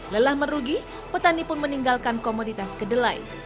lelah merugi petani pun meninggalkan komoditas kedelai